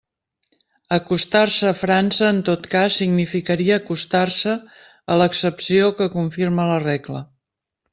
Acostar-se a França en tot cas significaria acostar-se a l'excepció que confirma la regla.